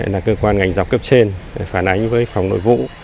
là cơ quan ngành dọc cấp trên phản ánh với phòng nội vụ